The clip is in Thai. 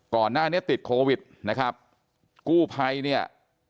ก่อนหน้านี้ติดโควิดนะครับกู้ภัยเนี่ย